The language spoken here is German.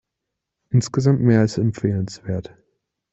Insgesamt mehr als empfehlenswert.